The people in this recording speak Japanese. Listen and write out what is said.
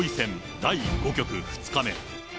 第５局２日目。